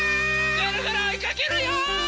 ぐるぐるおいかけるよ！